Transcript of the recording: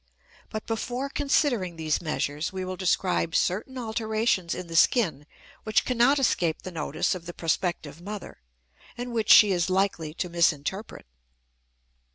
But before considering these measures, we will describe certain alterations in the skin which cannot escape the notice of the prospective mother, and which she is likely to misinterpret.